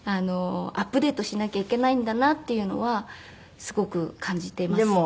アップデートしなきゃいけないんだなっていうのはすごく感じてます。